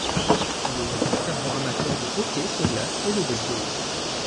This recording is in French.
Il est un fervent amateur de hockey sur glace et de baseball.